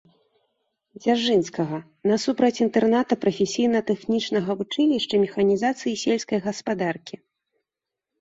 Дзяржынскага, насупраць інтэрната прафесійна-тэхнічнага вучылішча механізацыі сельскай гаспадаркі.